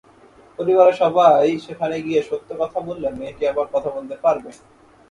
পরিবারের সবাই সেখানে গিয়ে সত্য কথা বললে মেয়েটি আবার কথা বলতে পারবে।